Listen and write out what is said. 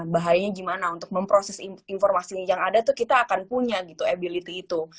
bahayanya gimana untuk memproses informasi yang ada tuh kita akan punya gitu ability itu